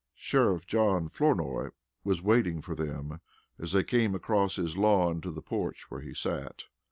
Sheriff John Flournoy was waiting for them as they came across his lawn to the porch where he sat.